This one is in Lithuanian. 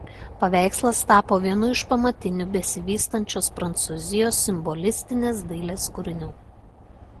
Paveikslas tapo vienu iš pamatinių besivystančios Prancūzijos simbolistinės dailės kūrinių.